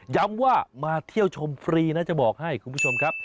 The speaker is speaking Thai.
ย้ำว่ามาเที่ยวชมฟรีนะจะบอกให้คุณผู้ชมครับ